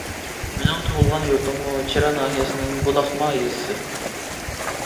مېنىڭ تۇغۇلغان يۇرتۇممۇ چىرا ناھىيەسىنىڭ گۇلاخما يېزىسى.